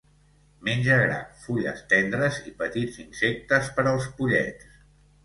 Menja gra, fulles tendres i petits insectes per als pollets.